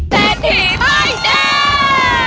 เซธีป้ายแดง